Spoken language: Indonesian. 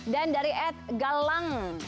dan dari ed galang